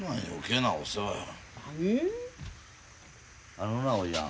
あのなおいやん。